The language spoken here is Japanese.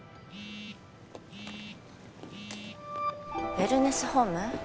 ウェルネスホーム？